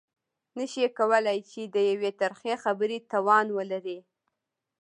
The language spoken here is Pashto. نه شي کولای چې د يوې ترخې خبرې توان ولري.